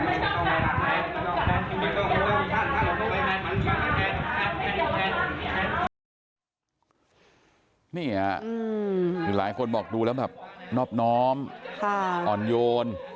นี่ค่ะคือหลายคนบอกดูแล้วแบบนอบน้อมอ่อนโยน